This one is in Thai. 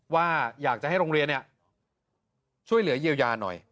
ว่าอยากจะให้โรงเรียนช่วยเหลือเยียวยาหน่อย